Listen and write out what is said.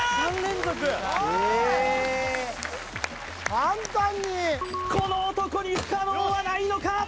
簡単にこの男に不可能はないのか？